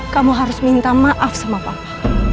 kamu harus minta maaf sama papa